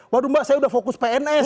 waduh mbak saya udah fokus pns